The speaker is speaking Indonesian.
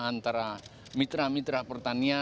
antara mitra mitra pertanian